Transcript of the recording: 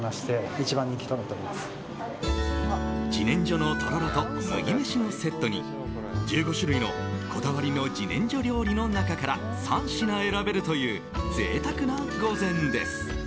自然薯のとろろと麦飯のセットに１５種類のこだわりの自然薯料理の中から３品選べるという贅沢な御前です。